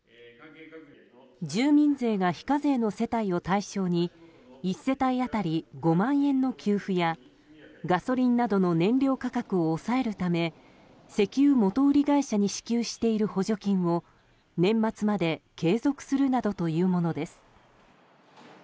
住民税が非課税の世帯を対象に１世帯当たり５万円の給付やガソリンなどの燃料価格を抑えるため石油元売り会社に支給している補助金を年末まで継続するなどというものです。